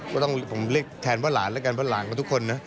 ก็ต้องผมเรียกแทนพ่อหลานแล้วกันเพราะหลานกับทุกคนนะ